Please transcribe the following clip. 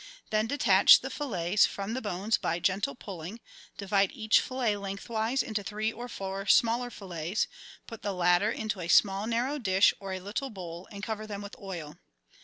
Then detach the fillets from the bones by gentle pulling, divide each fillet lengthwise into three or four smaller fillets, put the latter into a small narrow dish or a little bowl, and cover them with oil.